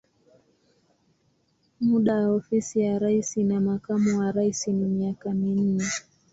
Muda wa ofisi ya rais na makamu wa rais ni miaka minne.